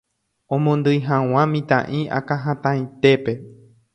omondýi hag̃ua mitã'i akãhatãitépe.